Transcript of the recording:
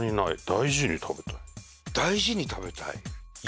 大事に食べたい？